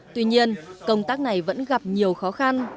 tuy nhiên công tác này vẫn gặp nhiều khó khăn